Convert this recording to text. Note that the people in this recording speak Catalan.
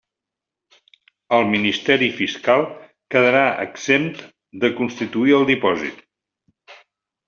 El ministeri fiscal quedarà exempt de constituir el depòsit.